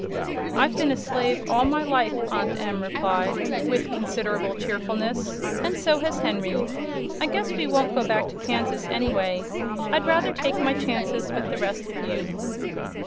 "I've been a slave all my life," Aunt Em replied, with considerable cheerfulness, "and so has Henry. I guess we won't go back to Kansas, anyway. I'd rather take my chances with the rest of you."